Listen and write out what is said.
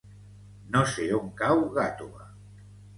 No sé on cau Gàtova.